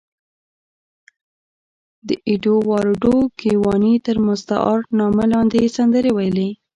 د اېډوارډو ګیواني تر مستعار نامه لاندې یې سندرې ویلې.